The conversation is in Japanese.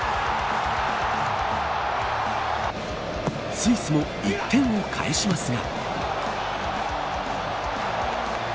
スイスも１点を返しますが。